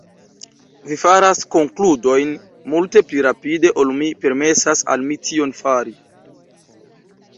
Vi faras konkludojn multe pli rapide ol mi permesas al mi tion fari.